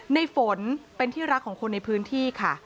ในฝนเป็นที่รักของคนในพื้นที่ค่ะ